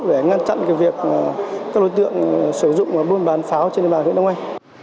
để ngăn chặn việc các đối tượng sử dụng và buôn bán pháo trên địa bàn đông anh